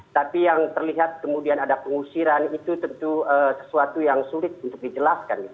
tapi yang terlihat kemudian ada pengusiran itu tentu sesuatu yang sulit untuk dijelaskan